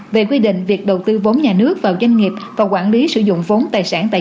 hai nghìn một mươi năm về quy định việc đầu tư vốn nhà nước vào doanh nghiệp và quản lý sử dụng vốn tài sản tại